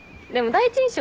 第一印象？